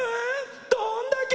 どんだけ！